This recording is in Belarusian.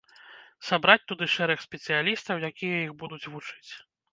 Сабраць туды шэраг спецыялістаў, якія іх будуць вучыць.